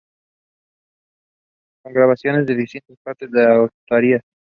Con grabaciones de distintas partes de Asturias.